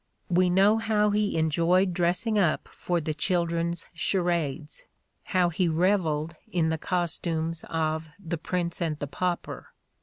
We know how he enjoyed dress ing up for the children's charades, how he revelled in the costumes of "The Prince and the Pauper."